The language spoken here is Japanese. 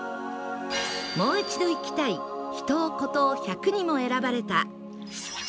『もう一度行きたい秘湯・古湯１００』にも選ばれた